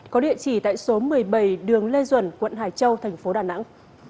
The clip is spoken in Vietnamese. có địa chỉ tại số một mươi bảy đường lê duẩn quận hải châu thành phố đà nẵng